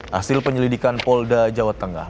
hasil penyelidikan polda jawa tengah